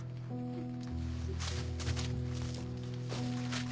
うん。